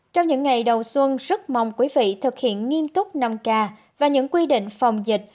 trong những ngày đầu xuân rất mong quý vị thực hiện nghiêm túc năm k và những quy định phòng dịch